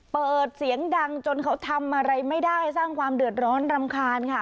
เปิดเสียงดังจนเขาทำอะไรไม่ได้สร้างความเดือดร้อนรำคาญค่ะ